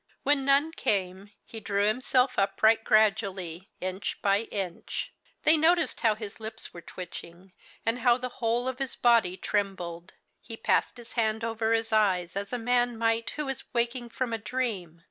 When none came, he drew himself upright gradually, inch by inch. They noticed how his lips were twitching, and how the whole of his body trembled. He passed his hand over his eyes, as a man might who is waking from a dream.